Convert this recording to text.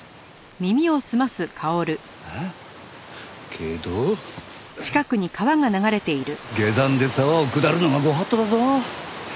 けど下山で沢を下るのは御法度だぞ。